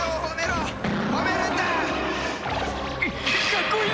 うっかっこいい！